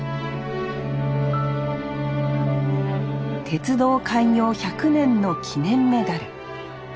鉄道開業１００年の記念メダル。